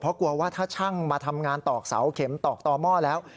เพราะกลัวว่าถ้าช่างมาทำงานตอกเสาเข็มตอกต่อหม้อแล้ว